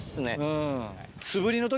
うん。